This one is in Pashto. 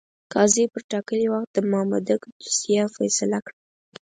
قاضي پر ټاکلي وخت د مامدک دوسیه فیصله کړه.